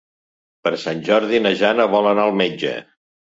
Per Sant Jordi na Jana vol anar al metge.